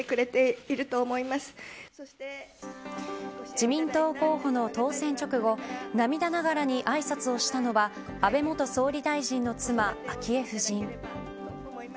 自民党候補の当選直後涙ながらにあいさつをしたのは安部元総理大臣の妻、昭恵夫人。